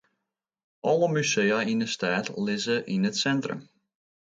Alle musea yn 'e stêd lizze yn it sintrum.